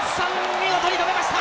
見事に止めました！